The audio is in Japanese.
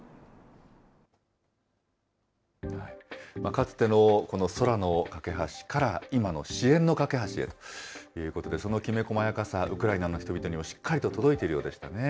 かつてのこの空のかけ橋から、今の支援のかけ橋へということで、そのきめ細やかさ、ウクライナの人々にもしっかりと届いているようでしたね。